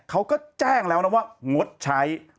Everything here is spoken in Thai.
เขาก็แจ้งแล้วนะว่างดใช้